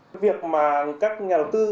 vì việc mà các nhà đầu tư